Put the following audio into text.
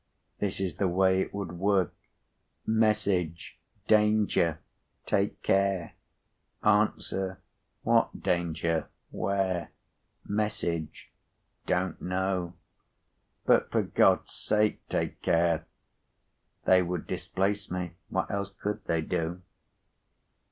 This is the way it would work:—Message: 'Danger! Take care!' Answer: 'What danger? Where?' Message: 'Don't know. But for God's sake take care!' They would displace me. What else could they do?"